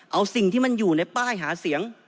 เอาสิ่งที่มันอยู่ในป้ายหาเสียง